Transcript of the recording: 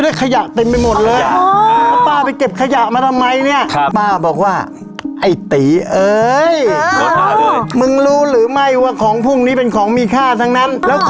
เช่นวันนี้ขอ๘๐๐๐บาทนะ